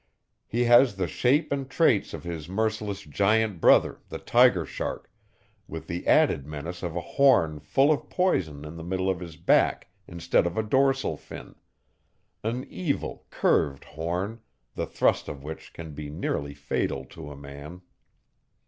He has the shape and traits of his merciless giant brother, the tiger shark, with the added menace of a horn full of poison in the middle of his back instead of a dorsal fin; an evil, curved horn, the thrust of which can be nearly fatal to a man.